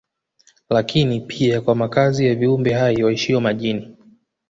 Lakini pia kwa makazi ya viumbe hai waishio majini